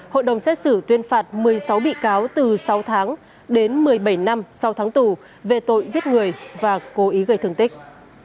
hội đồng xét xử tuyên phạt một mươi sáu bị cáo từ sáu tháng đến một mươi bảy năm sau tháng tù về tội giết người và cố ý gây thương tích